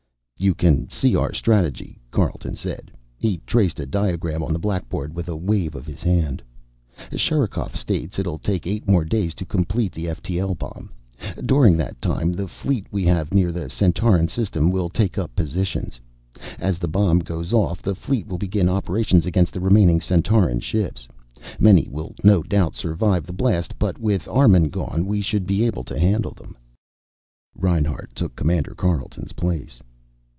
"You can see our strategy," Carleton said. He traced a diagram on the blackboard with a wave of his hand. "Sherikov states it'll take eight more days to complete the ftl bomb. During that time the fleet we have near the Centauran system will take up positions. As the bomb goes off the fleet will begin operations against the remaining Centauran ships. Many will no doubt survive the blast, but with Armun gone we should be able to handle them." Reinhart took Commander Carleton's place.